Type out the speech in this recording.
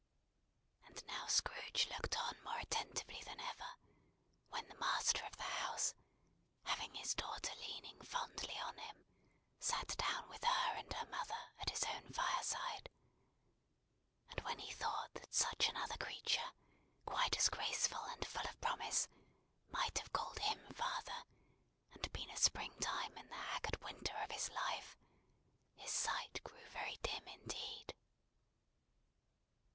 And now Scrooge looked on more attentively than ever, when the master of the house, having his daughter leaning fondly on him, sat down with her and her mother at his own fireside; and when he thought that such another creature, quite as graceful and as full of promise, might have called him father, and been a spring time in the haggard winter of his life, his sight grew very dim indeed.